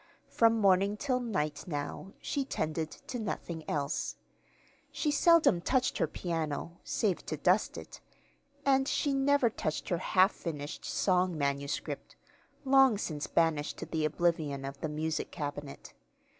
From morning till night, now, she tended to nothing else. She seldom touched her piano save to dust it and she never touched her half finished song manuscript, long since banished to the oblivion of the music cabinet.